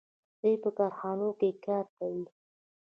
دوی په کارخانو کې کار کوي.